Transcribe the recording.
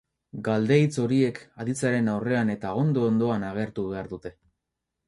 Galde-hitz horiek aditzaren aurrean, eta ondo-ondoan, agertu behar dute.